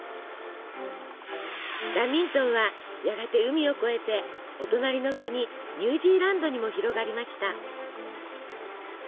ラミントンはやがて海を越えてお隣の国ニュージーランドにも広がりました。